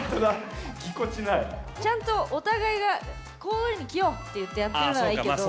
ちゃんとお互いがこういうふうに着ようってやってるならいいけど。